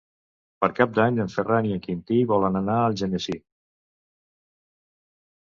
Per Cap d'Any en Ferran i en Quintí volen anar a Algemesí.